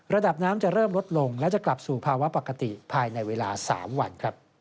ระดับน้ำจะเริ่มลดลงและจะกลับสู่ภาวะปกติภายในเวลา๓วัน